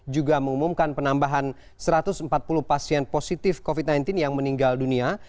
juga mengumumkan penambahan satu ratus empat puluh pasien positif covid sembilan belas yang meninggal dunia